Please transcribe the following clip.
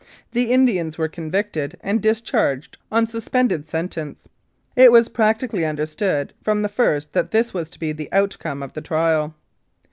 The Indians were convicted, and discharged on suspended sentence. It was practically understood from the first that this was to be the outcome of the trial.